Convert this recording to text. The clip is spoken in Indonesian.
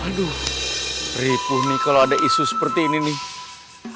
aduh ripuh nih kalau ada isu seperti ini nih